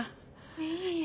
いえいえ。